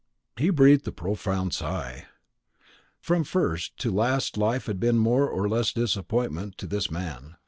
He breathed a profound sigh. From first to last life had been more or less a disappointment to this man.